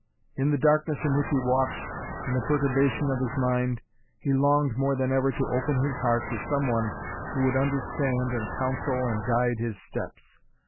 In the darkness in which he walked, in the perturbation of his mind, he longed more than ever to open his heart to some one who would understand and counsel and guide his steps.